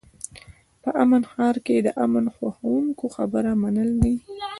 په امن ښار کې د امن خوښوونکو خبره منل دي.